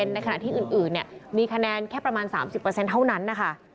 ในขณะที่อื่นมีคะแนนแค่ประมาณ๓๐เท่านั้นนะคะ